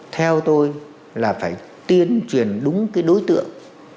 theo tôi là phải tiến truyền đúng cái đối tượng